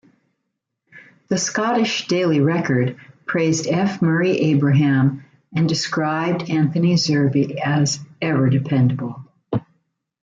The Scottish "Daily Record" praised F. Murray Abraham and described Anthony Zerbe as "ever-dependable".